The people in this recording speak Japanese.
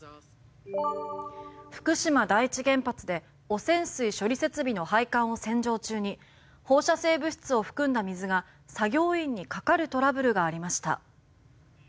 福島第一原発で汚染水処理設備の配管を洗浄中に放射性物質を含んだ水が作業員にかかるトラブルがありました。